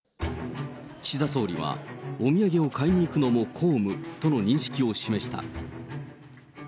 岸田総理は、お土産を買いに行くのも公務との認識を示した。